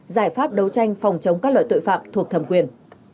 giải pháp đấu tranh phòng chống các loại tội phạm thuộc thẩm quyền